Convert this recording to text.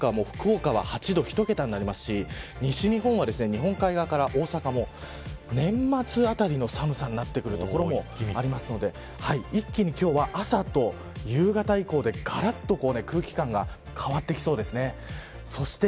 日本海側は福岡は８度一桁になりますし西日本は、日本海側から大阪も年末あたりの寒さになってくる所もありますので一気に今日は、朝と夕方以降でがらっと空気感が変わってきそうですね。